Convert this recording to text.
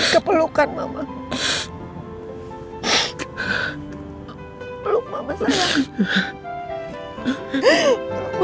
sampai kamu datang lagi ke mama